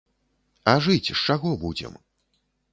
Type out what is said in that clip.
А жыць з чаго будзем?